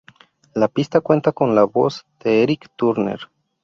La pista cuenta con la voz de Eric Turner.